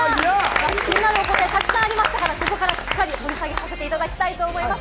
気になるお答えがたくさんありましたが、ここからしっかり掘り下げさせていただきたいと思います。